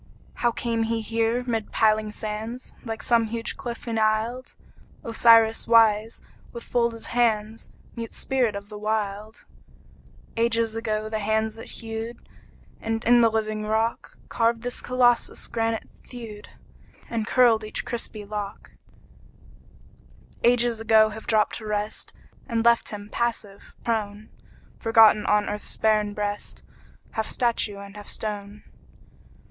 How came he here mid piling sands, Like some huge cliff enisled, Osiris wise, with folded hands, Mute spirit of the Wild? Ages ago the hands that hewed, And in the living rock Carved this Colossus, granite thewed And curled each crispy lock: Ages ago have dropped to rest And left him passive, prone, Forgotten on earth's barren breast, Half statue and half stone.